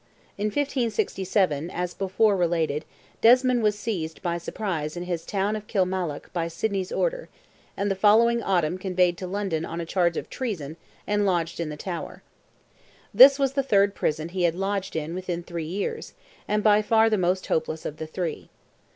In 1567, as before related, Desmond was seized by surprise in his town of Kilmallock by Sidney's order, and the following autumn conveyed to London on a charge of treason and lodged in the Tower. This was the third prison he had lodged in within three years, and by far the most hopeless of the three.